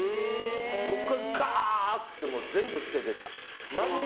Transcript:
そこからガーッて全部捨ててった。